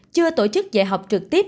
chưa tổ chức giải học trực tiếp